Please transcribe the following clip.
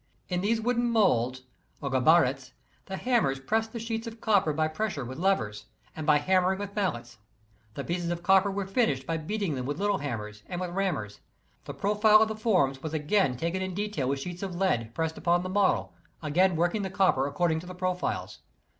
In these wooden moulds or " gabarits," the hammers pressed the sheets of copper by pressure with levers, and by hammering with mallets. The pieces of copper were finished by beating them with little hammers and with rammers. The profile of the forms was again taken in detail with sheets of lead, pressed upon the model, again working the copper according to the profiles.